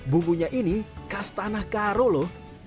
bumbunya ini kastanah karo lho